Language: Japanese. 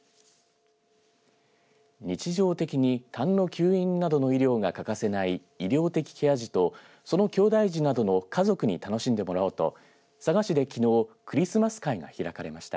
日常的に、たんの吸引などの医療が欠かせない医療的ケア児とそのきょうだい児などの家族に楽しんでもらおうと佐賀市できのうクリスマス会が開かれました。